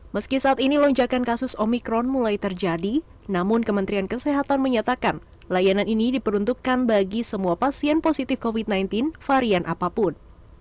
meski saat ini lonjakan kasus omikron mulai terjadi namun kementerian kesehatan menyatakan layanan ini diperuntukkan bagi semua pasien positif covid sembilan belas varian apapun